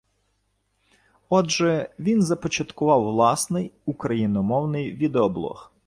Отже, він започаткував власний, україномовний відеоблог